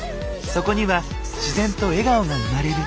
そこには自然と笑顔が生まれる。